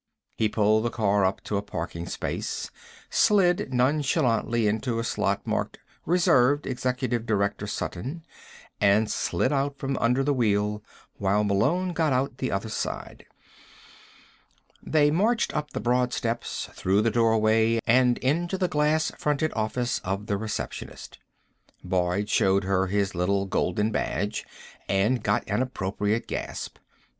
He pulled the car up to a parking space, slid nonchalantly into a slot marked Reserved Executive Director Sutton, and slid out from under the wheel while Malone got out the other side. They marched up the broad steps, through the doorway and into the glass fronted office of the receptionist. Boyd showed her his little golden badge, and got an appropriate gasp.